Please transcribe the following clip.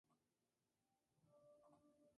A esto siguió una gira por el Reino Unido.